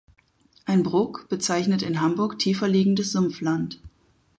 Ein „Brook“ bezeichnet in Hamburg tiefer liegendes Sumpfland.